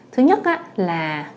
thứ nhất là